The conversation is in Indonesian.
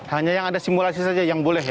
hanya yang ada simulasi saja yang boleh